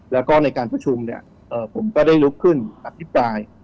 แล้วก็ในการประชุมผมก็ได้ลุกขึ้นอันที่ปลาย